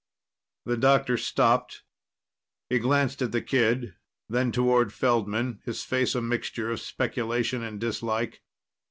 The doctor stopped. He glanced at the kid, then toward Feldman, his face a mixture of speculation and dislike.